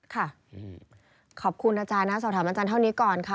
ขอบคุณอาจารย์นะสอบถามอาจารย์เท่านี้ก่อนค่ะ